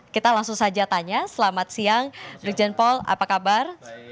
kita langsung saja tanya selamat siang brigjen paul apa kabar